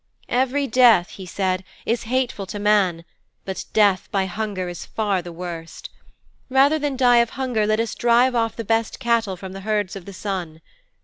"Every death," he said, "is hateful to man, but death by hunger is far the worst. Rather than die of hunger let us drive off the best cattle from the herds of the Sun.